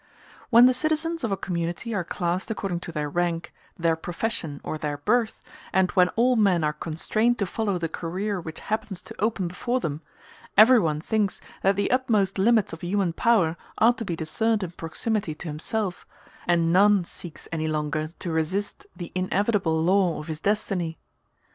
When the citizens of a community are classed according to their rank, their profession, or their birth, and when all men are constrained to follow the career which happens to open before them, everyone thinks that the utmost limits of human power are to be discerned in proximity to himself, and none seeks any longer to resist the inevitable law of his destiny.